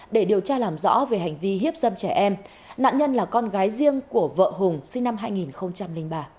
để điều tra làm rõ về hành vi hiếp dâm trẻ em nạn nhân là con gái riêng của vợ hùng sinh năm hai nghìn ba